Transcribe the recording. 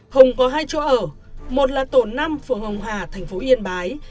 hùng có hai chỗ ở một là tổ năm phường hồng hà thành phố yên bái